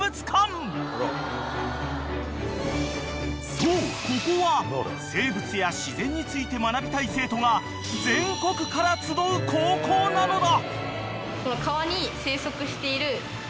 ［そうここは生物や自然について学びたい生徒が全国から集う高校なのだ］